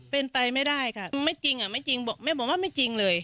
เป็นไปไม่ได้ค่ะไม่จริงอ่ะไม่จริงบอกแม่บอกว่าไม่จริงเลย